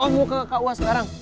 oh mau ke kak uah sekarang